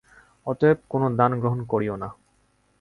অতএব কোন দান গ্রহণ করিও না।